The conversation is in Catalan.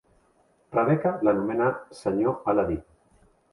Rebecca l'anomena "Sr. Aladí".